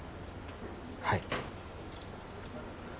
はい。